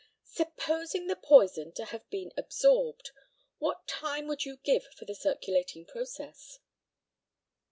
Supposing the poison to have been absorbed, what time would you give for the circulating process?